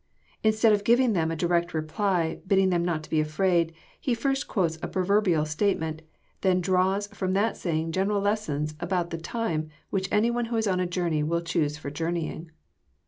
Instead of giving them a di rect reply, bidding them not to be afraid, He first quotes a pro verbial saying, and then draws from that saying general lessons about the time which any one who is on a journey will choose for Journeying.